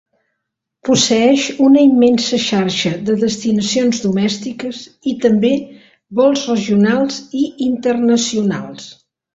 Posseeix una immensa xarxa de destinacions domèstiques i també vols regionals i internacionals.